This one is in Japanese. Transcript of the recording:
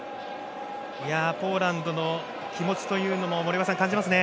ポーランドの気持ちというのも森岡さん、感じますね。